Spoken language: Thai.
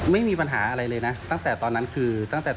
ไม่มีปัญหาอะไรเลยนะตั้งแต่ตอนนั้นคือตั้งแต่